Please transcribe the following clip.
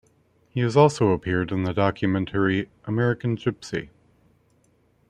He has also appeared in the documentary American Gypsy.